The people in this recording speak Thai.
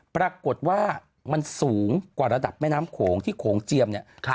ปรากฏว่ามันสูงกว่าระดับแม่น้ำโขงที่โขงเจียมเนี่ย